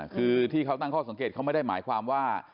คือที่เขาตั้งข้อสังเกตเขาไม่ได้หมายความว่า